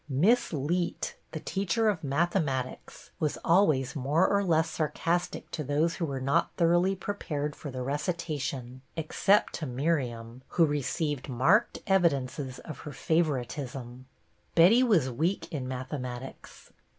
Miss Leet, the teacher of mathematics, was always more or less sarcastic to those who were not thoroughly prepared for the recitation, except to Miriam, who received marked evidences of her fa voritism. Betty was weak in mathematics.